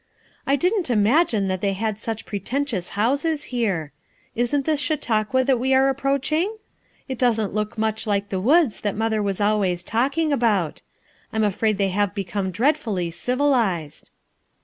I didn't imagine that they had such pretentious houses here. Isn't this Chau tauqua that we are approaching? It doesn't look much like the woods that mother was al ways talking about I'm afraid they have be come dreadfully civilized."